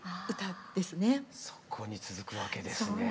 そこに続くわけですね。